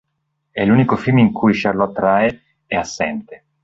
È l'unico film in cui Charlotte Rae è assente.